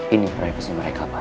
ini privasi mereka pak